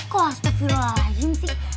kau astagfirullahaladzim sih